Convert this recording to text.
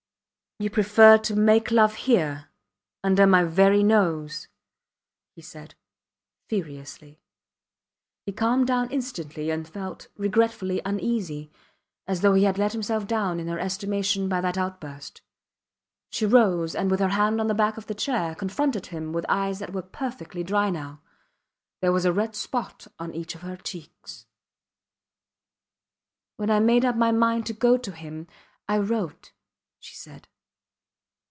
You preferred to make love here under my very nose, he said, furiously. He calmed down instantly, and felt regretfully uneasy, as though he had let himself down in her estimation by that outburst. She rose, and with her hand on the back of the chair confronted him with eyes that were perfectly dry now. There was a red spot on each of her cheeks. When I made up my mind to go to him I wrote, she said.